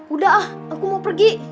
udah ah aku mau pergi